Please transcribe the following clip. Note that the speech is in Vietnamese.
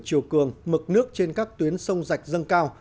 các dự án của triều cường mực nước trên các tuyến sông dạch dâng cao